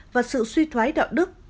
và sự suy thoái đạo đức